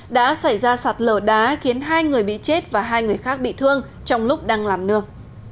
đã xảy ra sạt lở đá khiến hai người bị chết và hai người khác bị thương trong lúc đang làm nương